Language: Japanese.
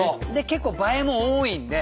結構映えも多いんで。